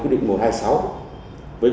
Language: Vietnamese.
với quy mô đường ven biển